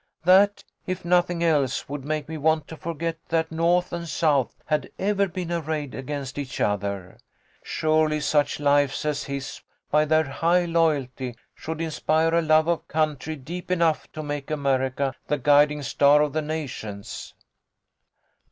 "That, if nothing else, would make me want to forget that North and South had ever been arrayed against each other. Surely such lives as his by their high loyalty should inspire a love of country deep enough to make America the guiding star of the nations."